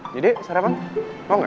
jadi sarapan mau gak